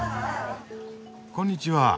こんにちは。